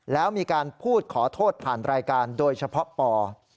แล้วมีการพูดขอโทษผ่านรายการโดยเฉพาะปอ